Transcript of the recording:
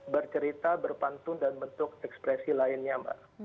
bercerita berpantun dan bentuk ekspresi lainnya mbak